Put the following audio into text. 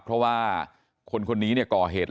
เพราะว่าคนนี้ก่อเหตุ